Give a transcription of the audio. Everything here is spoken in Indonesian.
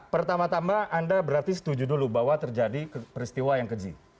pertama tama anda berarti setuju dulu bahwa terjadi peristiwa yang keji